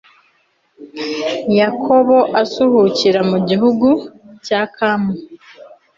yakobo asuhukira mu gihugu cya kamu